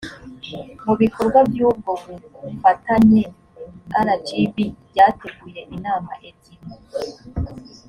mu ibikorwa by’ubwo bufatanye, rgb yateguye inama ebyiri